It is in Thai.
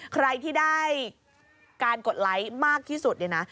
ใครที่ได้การกดไลค์มากที่สุดเนี่ยนะ